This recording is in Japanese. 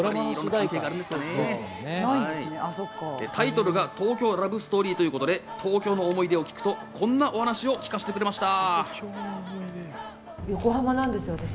タイトルが『東京ラブストーリー』ということで東京の思い出を聞くと、こんなお話を聞かせてくれました。